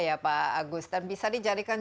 ya pak agus dan bisa dijadikan